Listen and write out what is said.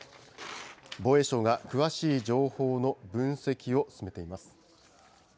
防衛省が詳しい情報の分析を進めています。